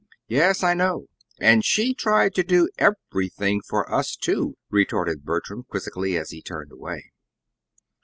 "Yes, I know and she tried to do EVERYTHING for us, too," retorted Bertram, quizzically, as he turned away.